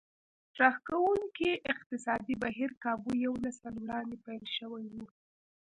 راښکوونکی اقتصادي بهير کابو یو نسل وړاندې پیل شوی و